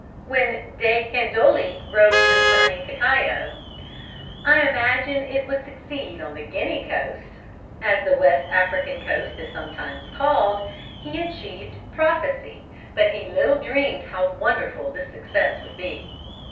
When De Candolle wrote concerning cacao, "I imagine it would succeed on the Guinea Coast," as the West African coast is sometimes called, he achieved prophecy, but he little dreamed how wonderful this success would be.